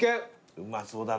うまそうだな。